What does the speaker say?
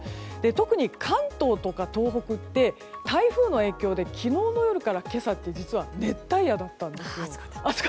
特に関東や東北って台風の影響で昨日の夜から今朝って熱帯夜だったんですよ。